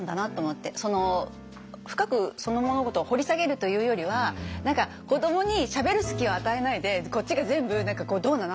深くその物事を掘り下げるというよりは何か子どもにしゃべる隙を与えないでこっちが全部何かこう「どうなの？